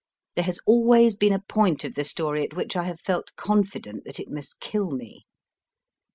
There has always been a point of the story at which I have felt confident that it must kill me.